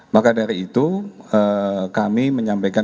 maka dari itu kami menyampaikan